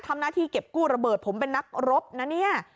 ทำหน้าที่เก็บกู้ระเบิดผมเป็นนักรบนะเนี่ย